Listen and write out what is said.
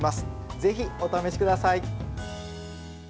ぜひ、お試しください。